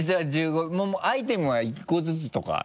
もうアイテムは１個ずつとか？